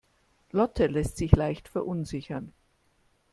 Lotte lässt sich leicht verunsichern.